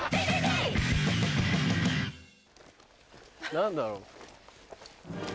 何だろう？